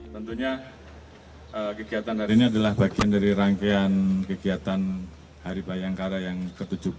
tentunya kegiatan hari ini adalah bagian dari rangkaian kegiatan hari bayangkara yang ke tujuh belas